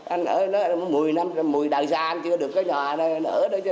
anh ở đó một mươi năm một mươi đời xa anh chưa được cái nhà này nữa đó chứ